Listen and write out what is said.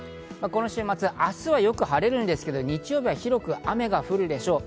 この週末、明日はよく晴れるんですけど、日曜日は広く雨が降るでしょう。